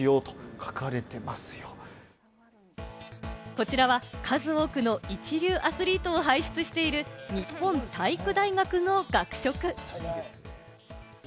こちらは数多くの一流アスリートを輩出している日本体育大学の学食。